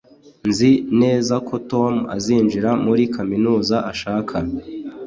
nzi neza ko tom azinjira muri kaminuza ashaka